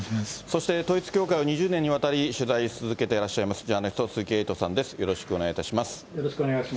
そして、統一教会を２０年にわたり取材し続けていらっしゃいます、ジャーナリスト、鈴木エイトさんです、よろしくお願いいたします。